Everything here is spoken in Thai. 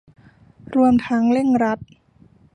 รวมทั้งเร่งรัด